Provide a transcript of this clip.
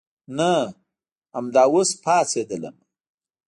نه امدا اوس پاڅېدلمه.